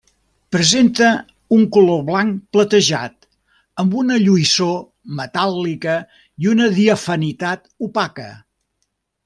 Presenta un color blanc platejat amb una lluïssor metàl·lica i una diafanitat opaca.